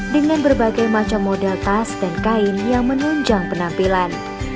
dengan berbagai macam model tas dan kain yang menunjang penampilan